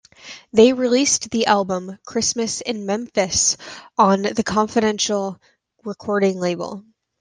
They released the album "Christmas in Memphis" on the Confidential Recording label.